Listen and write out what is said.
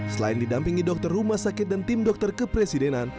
selain didampingi dokter rumah sakit dan tim dokter kepresidenan